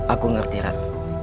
aku ngerti rab